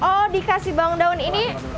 oh dikasih bang daun ini